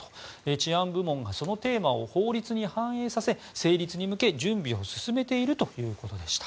治安部門がそのテーマを法律に反映させ成立に向け準備を進めているということでした。